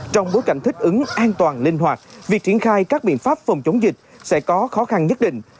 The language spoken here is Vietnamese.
trong bối cảnh thích ứng an toàn linh hoạt việc triển khai các biện pháp phòng chống dịch sẽ có khó khăn nhất định